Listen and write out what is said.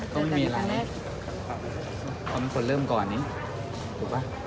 ก็ไม่มีอะไรผมเป็นคนเริ่มก่อนเนี่ย